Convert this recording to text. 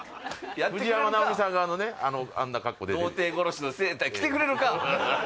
藤山直美さんがあのねあんな格好童貞殺しのセーター着てくれるか！